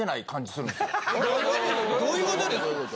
どういうことどういうこと？